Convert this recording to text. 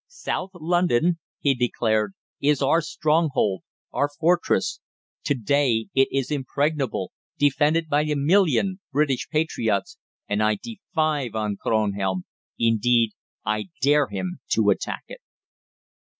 "South London," he declared, "is our stronghold, our fortress. To day it is impregnable, defended by a million British patriots, and I defy Von Kronhelm indeed, I dare him to attack it!"